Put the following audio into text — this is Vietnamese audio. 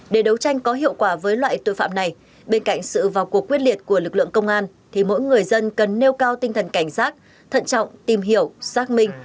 để đấu tranh có hiệu quả với loại tội phạm này bên cạnh sự vào cuộc quyết liệt của lực lượng công an thì mỗi người dân cần nêu cao tinh thần cảnh giác thận trọng tìm hiểu xác minh